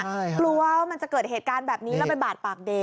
กลัวว่ามันจะเกิดเหตุการณ์แบบนี้แล้วไปบาดปากเด็ก